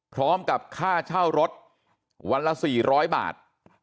พร้อมกับค่าเช่ารถวันละ๔๐๐บาท